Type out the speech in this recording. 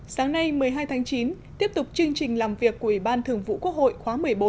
sáng nay một mươi hai tháng chín tiếp tục chương trình làm việc của ủy ban thường vụ quốc hội khóa một mươi bốn